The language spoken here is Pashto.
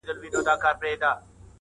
خاوره توره ده.